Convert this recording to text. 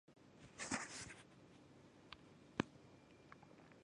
黎曼曲面条目中有更多关于那个意义下的芽的细节。